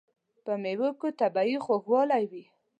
په مېوو کې طبیعي خوږوالی وي.